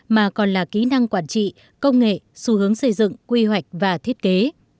mà còn là kỹ năng quản trị công nghệ xu hướng xây dựng quy hoạch và thiết kế